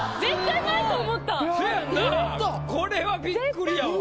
これはびっくりやわ。